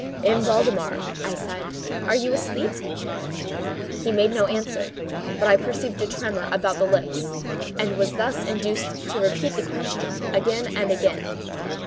"M. Valdemar," I said, "are you asleep?" He made no answer, but I perceived a tremor about the lips, and was thus induced to repeat the question, again and again.